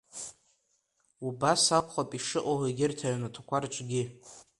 Убас акәхап ишыҟоу егьырҭ аҩнаҭақәа рҿгьы.